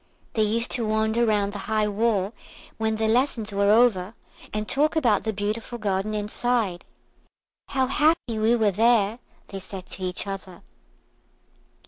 They used to wander round the high wall when their lessons were over, and talk about the beautiful garden inside. "How happy we were there," they said to each other.